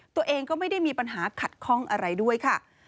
ตัวเองก็ไม่ได้มีปัญหาขัดข้องอะไรด้วยค่ะ